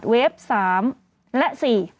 เว็บ๓และ๔